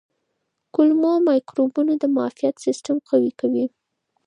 کولمو مایکروبیوم د معافیت سیستم قوي کوي.